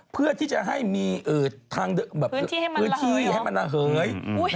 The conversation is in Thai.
เพื่อที่จะให้มีทางพื้นที่ให้มันระเหย